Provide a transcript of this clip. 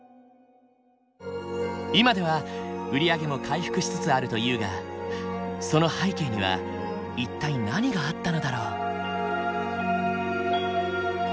今では売り上げも回復しつつあるというがその背景には一体何があったのだろう。